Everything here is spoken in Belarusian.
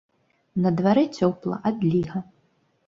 На дварэ цёпла, адліга.